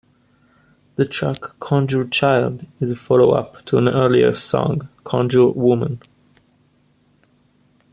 The track "Conjure Child" is a follow up to an earlier song, "Conjure Woman.